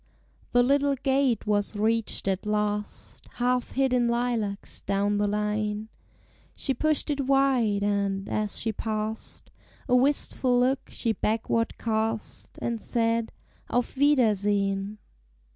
The little gate was reached at last, Half hid in lilacs down the lane; She pushed it wide, and, as she past, A wistful look she backward cast, And said, "Auf wiedersehen!"